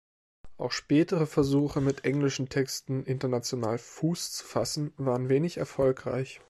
Auch spätere Versuche mit englischen Texten international „Fuß zu fassen“ waren wenig erfolgreich.